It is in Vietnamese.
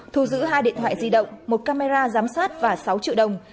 thu giữ hai điện thoại di động một camera giám sát và sáu triệu đồng